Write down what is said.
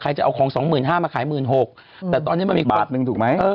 ใครจะเอาของ๒๕๐๐๐มาขาย๑๖๐๐๐แต่ตอนนี้๑บาทนึงถูกไหมเอ่อ